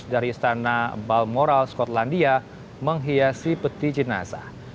dari istana balmoral skotlandia menghiasi peti jenazah